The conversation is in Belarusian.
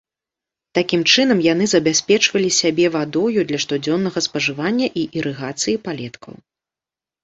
Такім чынам яны забяспечвалі сябе вадою для штодзённага спажывання і ірыгацыі палеткаў.